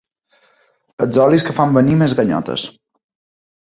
Els olis que fan venir més ganyotes.